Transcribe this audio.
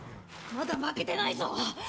まだ負けてないぞ！